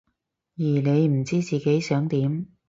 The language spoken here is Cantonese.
而你唔知自己想點？